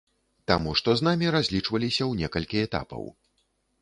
Таму што з намі разлічваліся ў некалькі этапаў.